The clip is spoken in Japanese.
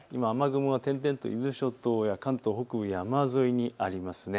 今、雨雲が点々と伊豆諸島や関東北部の山沿いにありますね。